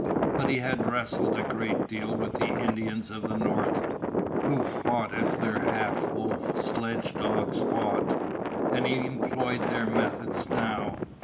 But he had wrestled a great deal with the Indians of the north, who fought as their half wolf sledgedogs fought, and he employed their methods now.